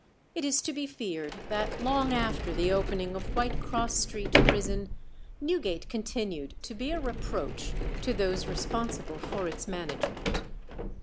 It is to be feared that long after the opening of White Cross Street prison, Newgate continued to be a reproach to those responsible for its management.